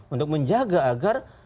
untuk menjaga agar